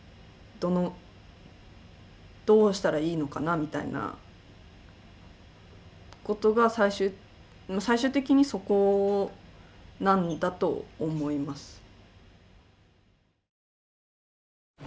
どうしたらいいのかなみたいなことが最終的にそこなんだと思います。